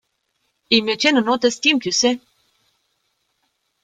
Ils me tiennent en haute estime, tu sais...